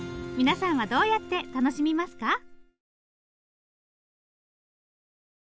皆さんはどうやって楽しみますか。